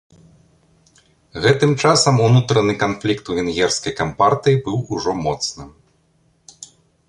Гэтым часам унутраны канфлікт у венгерскай кампартыі быў ужо моцным.